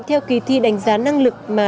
theo kỳ thi đánh giá năng lực mà